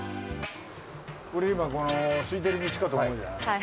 今この空いてる道かと思うじゃない？